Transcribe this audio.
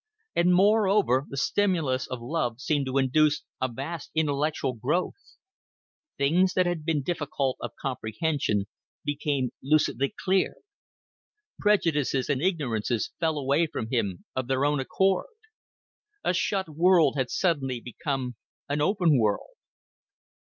And, moreover, the stimulus of love seemed to induce a vast intellectual growth; things that had been difficult of comprehension became lucidly clear; prejudices and ignorances fell away from him of their own accord. A shut world had suddenly become an open world.